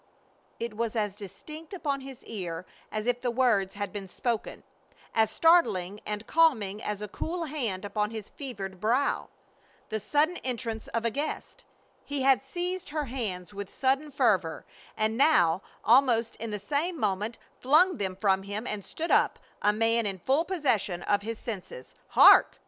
It was as distinct upon his ear as if the words had been spoken; as startling and calming as a cool hand upon his fevered brow; the sudden entrance of a guest. He had seized her hands with sudden fervor, and now, almost in the same moment, flung them from him and stood up, a man in full possession of his senses. "Hark!"